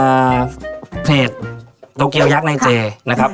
อ่าเพจโตเกียวยักษ์ในเจนะครับ